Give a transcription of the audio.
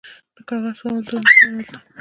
د کاغذ سپمول د ونو سپمول دي